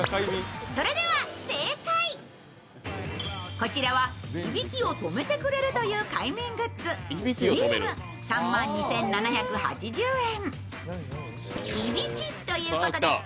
こちらはいびきを止めてくれるという快眠グッズ、スリーム、３万２７８０円。